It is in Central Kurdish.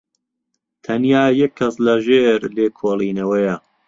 تەنیا یەک کەس لەژێر لێکۆڵینەوەیە.